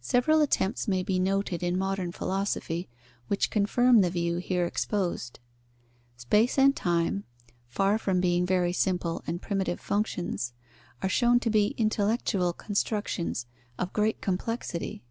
Several attempts may be noted in modern philosophy, which confirm the view here exposed. Space and time, far from being very simple and primitive functions, are shown to be intellectual constructions of great complexity.